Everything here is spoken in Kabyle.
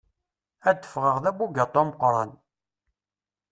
Ad ffɣeɣ d abugaṭu ameqqran.